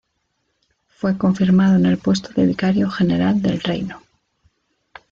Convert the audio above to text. Fue confirmado en el puesto de vicario general del reino.